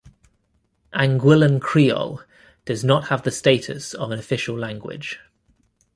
Anguillan Creole does not have the status of an official language.